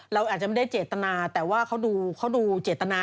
เราอาจจะไม่ได้เจตนาแต่ว่าเขาดูเขาดูเจตนา